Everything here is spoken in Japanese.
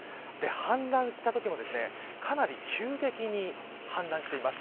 氾濫したときもかなり急激に氾濫しています。